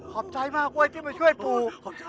ขอบใจมากที่มาช่วยปู